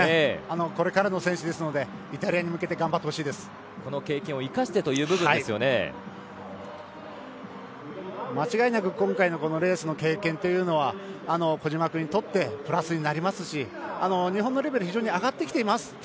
これからの選手ですのでイタリアに向けてこの経験を生かして間違いなく今回のレースの経験というのは小島君にとってプラスになりますし日本のレベルは非常に上がってきています。